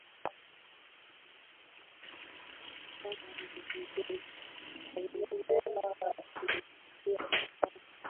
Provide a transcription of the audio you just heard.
kama zao la biashara lililowasaidia kujiongezea kipato